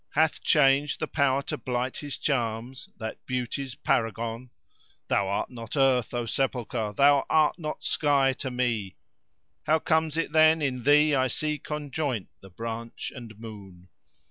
* Hath change the power to blight his charms, that Beauty's paragon? Thou art not earth, O Sepulchre! nor art thou sky to me; * How comes it, then, in thee I see conjoint the branch and moon?"